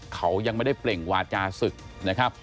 เขายังไม่ได้เปล่งวาจาศึกนะครับ